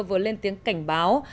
vừa lên tiếng cảnh báo